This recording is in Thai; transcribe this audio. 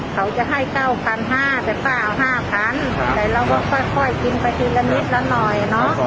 เขาจะให้๙๕๐๐แต่ป้าเอา๕๐๐แต่เราก็ค่อยกินไปทีละนิดละหน่อยเนอะ